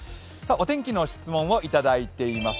お天気の質問をいただいています。